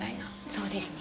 そうですね。